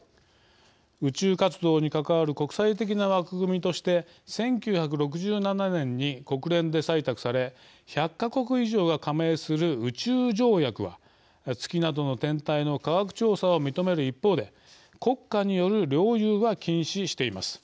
宇宙活動に関わる国際的な枠組みとして１９６７年に国連で採択され１００か国以上が加盟する宇宙条約は月などの天体の科学調査を認める一方で国家による領有は禁止しています。